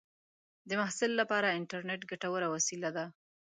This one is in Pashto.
د محصل لپاره انټرنېټ ګټوره وسیله ده.